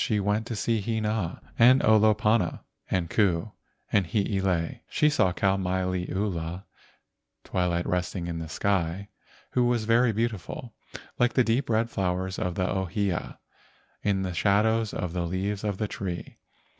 She went to see Hina and Olopana, and Ku and Hiilei. She saw Kau mai liula (twilight resting in the sky), who was very beautiful, like the deep red flowers of the ohia in the shadows of the leaves of the tree.